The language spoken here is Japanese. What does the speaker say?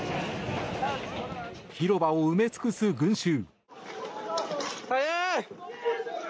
広場を埋め尽くす群衆。